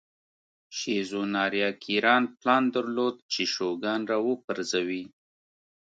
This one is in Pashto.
شیزو ناریاکیرا پلان درلود چې شوګان را وپرځوي.